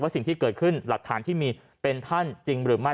สิ่งที่เกิดขึ้นหลักฐานที่มีเป็นท่านจริงหรือไม่